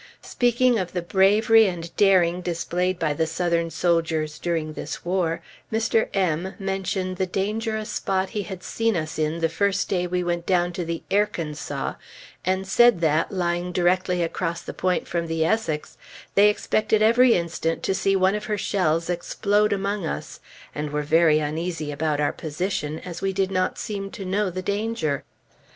Speaking of the bravery and daring displayed by the Southern soldiers during this war, Mr. M mentioned the dangerous spot he had seen us in the first day we went down to the "Airkansas" and said that, lying directly across the point from the Essex, they expected every instant to see one of her shells explode among us, and were very uneasy about our position, as we did not seem to know the danger.